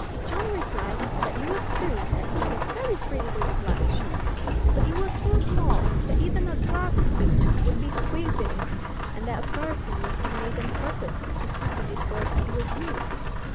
John replied that it was true that he had a very pretty little glass shoe; but it was so small that even a dwarf's foot would be squeezed in it, and that a person must be made on purpose to suit it before it could be of use.